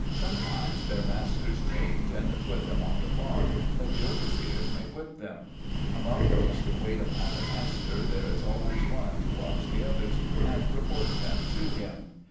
Sometimes their masters change, and put them on the farm, that the overseers may whip them. Among those who wait upon the master, there is always one to watch the others, and report them to him.